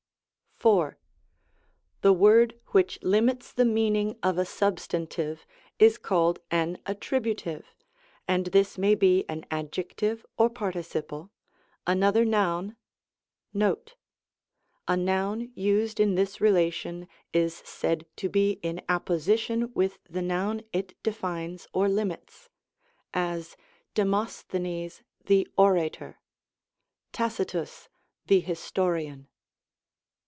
4. The word which limits the meaning of a sub stantive is called an attributwe^ and this may be an ad jective or participle, another noun,* the article, a pro * A noun used in this relation, is said to be in apposition with the noun it defines or limits ; as, " Demosthenes the orator," " Tacitus the historian."